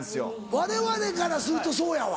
われわれからするとそうやわ。